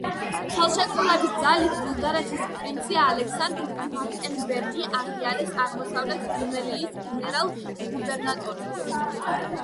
ხელშეკრულების ძალით ბულგარეთის პრინცი ალექსანდრ ბატენბერგი აღიარეს აღმოსავლეთ რუმელიის გენერალ-გუბერნატორად.